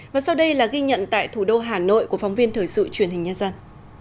và sau đây là ghi nhận tại thủ đô hà nội của phóng viên thời sự truyền hình nhân dân